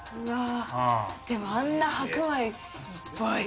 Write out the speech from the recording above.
でもあんな白米いっぱい。